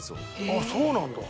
ああそうなんだ。